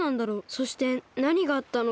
そしてなにがあったのか。